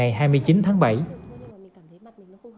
hãy đăng ký kênh để ủng hộ kênh của mình nhé